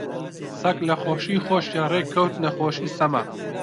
سەگ لە خۆشی خۆشییا ڕێک کەوتنە خۆشی و سەما